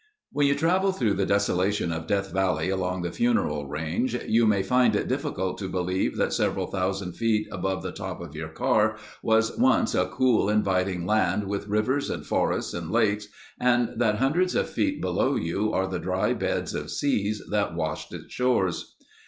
When you travel through the desolation of Death Valley along the Funeral Range, you may find it difficult to believe that several thousand feet above the top of your car was once a cool, inviting land with rivers and forests and lakes, and that hundreds of feet below you are the dry beds of seas that washed its shores.